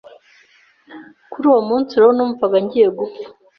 kuri uwo munsi rero numvaga ngiye gupfa